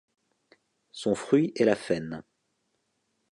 Son fruit est la faîne.